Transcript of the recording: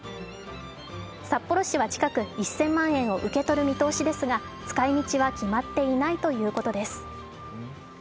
札幌市は近く、１０００万円を受け取る見通しですが使い道は決まっていないということです。